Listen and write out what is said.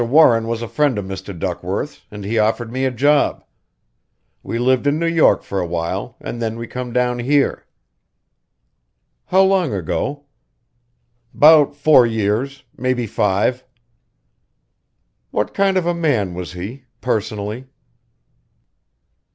Warren was a friend of Mr. Duckworth's, an' he offered me a job. We lived in New York for a while and then we come down here." "How long ago?" "'Bout four years maybe five." "What kind of a man was he personally?"